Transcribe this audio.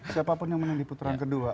siapapun yang menang di putaran kedua